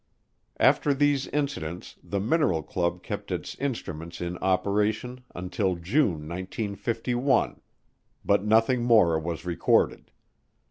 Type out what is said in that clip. After these incidents the "mineral club" kept its instruments in operation until June 1951, but nothing more was recorded.